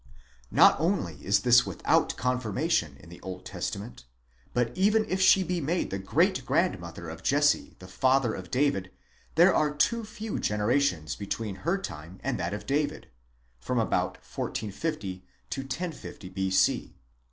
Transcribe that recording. Not only is this without con firmation in the Old Testament, but even if she be made the great grandmother of Jesse, the father of David, there are too few generations between her time and that of David (from about 1450 to 1o5o B.C.